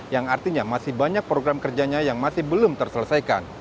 yang artinya masih banyak program kerjanya yang masih belum terselesaikan